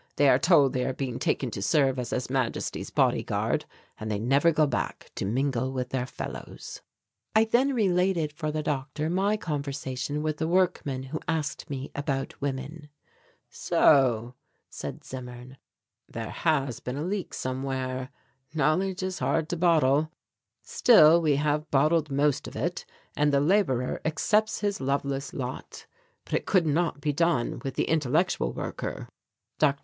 They are told they are being taken to serve as His Majesty's body guard; and they never go back to mingle with their fellows." I then related for the doctor my conversation with the workman who asked me about women. "So," said Zimmern, "there has been a leak somewhere; knowledge is hard to bottle. Still we have bottled most of it and the labourer accepts his loveless lot. But it could not be done with the intellectual worker." Dr.